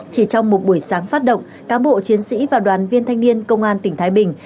chỉ trong một buổi sáng phát động cán bộ chiến sĩ và đoàn viên thanh niên công an tỉnh thái bình